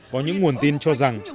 có những nguồn tin cho rằng